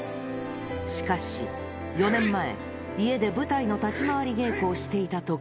しかし、４年前、家で舞台の立ち回り稽古をしていたとき。